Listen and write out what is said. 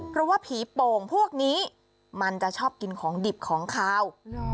เพราะว่าผีโป่งพวกนี้มันจะชอบกินของดิบของขาว